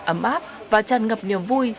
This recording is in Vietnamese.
ấm áp và tràn ngập niềm vui